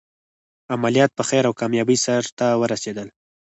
عملیات په خیر او کامیابۍ سرته ورسېدل.